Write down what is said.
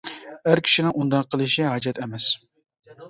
ئەر كىشىنىڭ ئۇنداق قىلىشى ھاجەت ئەمەس.